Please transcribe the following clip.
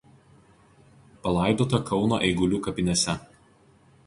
Palaidota Kauno Eigulių kapinėse.